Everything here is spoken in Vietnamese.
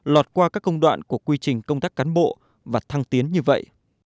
lọt qua các công đoạn của quy trình công tác cán bộ và thăng tiến như vậy